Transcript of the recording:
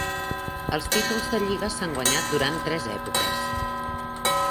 Els títols de lliga s'han guanyat durant tres èpoques.